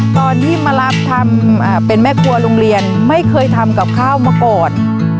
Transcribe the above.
ตอนที่มารับทำเป็นแม่ครัวโรงเรียนไม่เคยทำกับข้าวมาก่อน